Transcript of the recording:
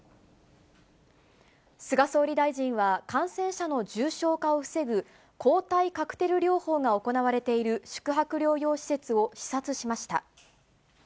菅総理大臣は、感染者の重症化を防ぐ抗体カクテル療法が行われている、宿泊療養施設を視察しました。